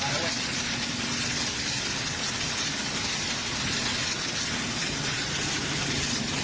นักเรียงละเกิน